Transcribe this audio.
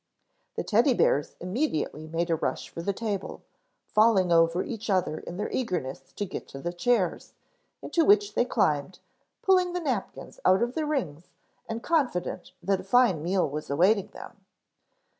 The Teddy bears immediately made a rush for the table, falling over each other in their eagerness to get to the chairs, into which they climbed, pulling the napkins out of the rings and confident that a fine meal was awaiting them.